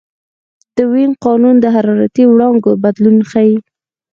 د وین قانون د حرارتي وړانګو بدلون ښيي.